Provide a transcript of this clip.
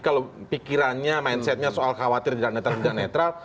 kalau pikirannya mindsetnya soal khawatir tidak netral